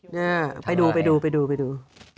นี่ไปดูไปดูไปดู